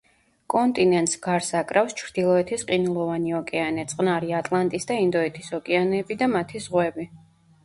კონტინენტს გარს აკრავს ჩრდილოეთის ყინულოვანი ოკეანე, წყნარი, ატლანტის და ინდოეთის ოკეანეები და მათი ზღვები.